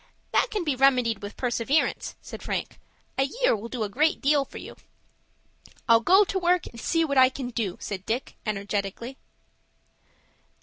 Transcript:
"That can be remedied with perseverance," said Frank. "A year will do a great deal for you." "I'll go to work and see what I can do," said Dick, energetically.